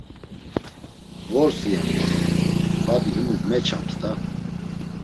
Vors iyen moro, dadi himuk meçams da.